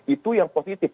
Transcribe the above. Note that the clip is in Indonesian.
itu yang positif